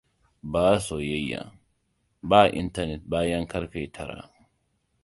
Ba soyayya. Ba intanet bayan karfe tara.